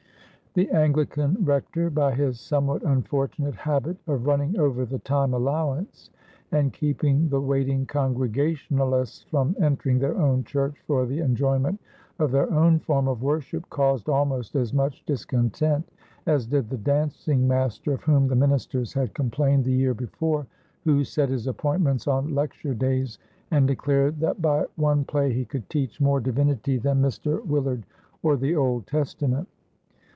The Anglican rector, by his somewhat unfortunate habit of running over the time allowance and keeping the waiting Congregationalists from entering their own church for the enjoyment of their own form of worship, caused almost as much discontent as did the dancing master of whom the ministers had complained the year before, who set his appointments on Lecture days and declared that by one play he could teach more divinity than Mr. Willard or the Old Testament.